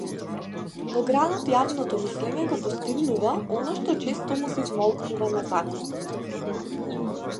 Во градот јавното мислење го постигнува она што често му се измолкнува на законот.